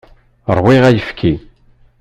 Ṛwiɣ ayefki.